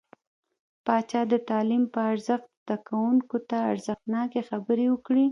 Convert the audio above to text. پاچا د تعليم په ارزښت، زده کوونکو ته ارزښتناکې خبرې وکړې .